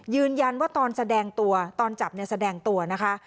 ยืนยันว่าตอนแสดงตัวตอนจับเนี่ยแสดงตัวนะคะ